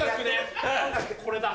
これだ。